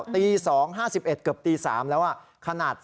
ตี๒๕๑เกือบตี๓แล้วขนาด